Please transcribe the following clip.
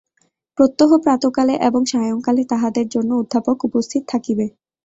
প্রত্যহ প্রাতঃকালে এবং সায়ংকালে তাহাদের জন্য অধ্যাপক উপস্থিত থাকিবে।